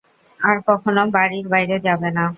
আর কখনও বাড়ির বাইরে যাবে না!